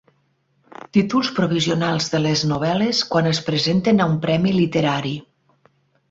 Títols provisionals de les novel·les quan es presenten a un premi literari.